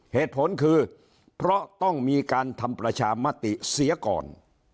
เหตุผลคือเพราะต้องมีการทำประชามติเสียก่อน